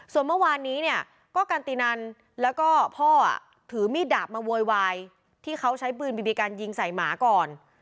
ส่วนเมื่อวานนี้เนี่ยก็กันตินันแล้วก็พ่อถือมีดดาบมาโวยวายที่เขาใช้ปืนบีบีกันยิงใส่หมาก่อน